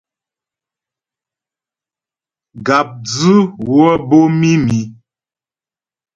Gàpdzʉ wə́ bǒ mǐmi.